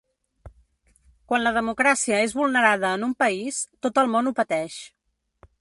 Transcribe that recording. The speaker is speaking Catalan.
Quan la democràcia és vulnerada en un país, tot el món ho pateix.